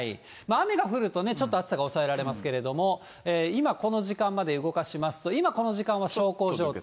雨が降るとね、ちょっと暑さが抑えられますけれども、今、この時間まで動かしますと、今、この時間は小康状態。